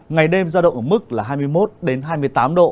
ngày đêm giao động ở mức là hai mươi một hai mươi tám độ